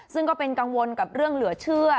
ซึ่งก็เป็นกังวลกับเรื่องเหลือเชื่อ